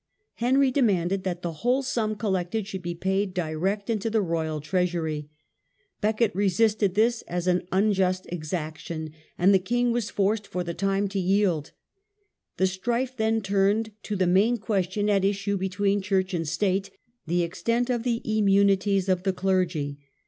Henry demanded that the whole sum collected should be paid direct into the royal treasury. Becket re xheCounca sisted this as an unjust exaction, and the atwood king was forced for the time to yield. The •^^'"^' strife then turned to the main question at issue between church and state, — the extent of the immunities of the clergy.